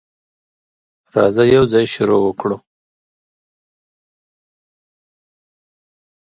راځه، یوځای شروع کړو.